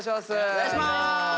お願いします！